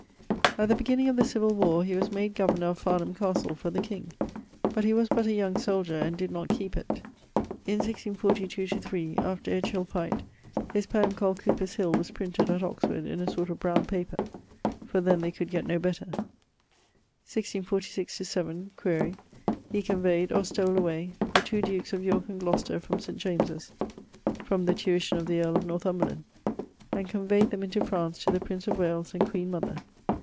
At the beginning of the civill warre he was made governor of Farnham castle for the king, but he was but a young soldier, and did not keepe it. In 1642/3, after Edghill fight, his poeme called Cowper's Hill was printed at Oxford, in a sort of browne paper, for then they could gett no better. 1646/7 (quaere) he conveyed, or stole away, the two dukes of Yorke and Glocester from St. James's (from the tuition of the earle of Northumberland), and conveyed them into France to the Prince of Wales and Queen mother.